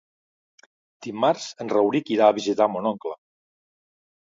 Dimarts en Rauric irà a visitar mon oncle.